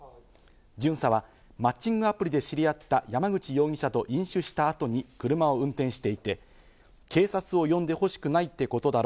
巡査はマッチングアプリで知り合った山口容疑者と飲酒した後に車を運転していて、警察を呼んで欲しくないってことだろ。